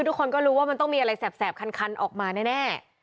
ทุกคนก็รู้ว่ามันต้องมีอะไรแสบคันออกมาแน่